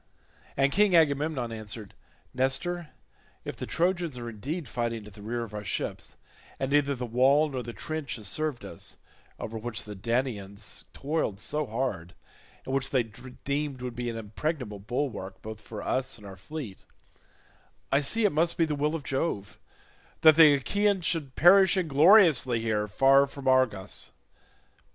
And King Agamemnon answered, "Nestor, if the Trojans are indeed fighting at the rear of our ships, and neither the wall nor the trench has served us—over which the Danaans toiled so hard, and which they deemed would be an impregnable bulwark both for us and our fleet—I see it must be the will of Jove that the Achaeans should perish ingloriously here, far from Argos.